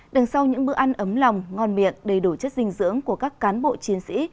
đằng sau những bữa ăn ấm lòng ngon miệng đầy đủ chất dinh dưỡng của các cán bộ chiến sĩ